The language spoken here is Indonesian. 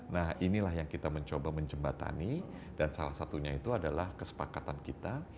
nah inilah yang kita mencoba menjembatani dan salah satunya itu adalah kesepakatan kita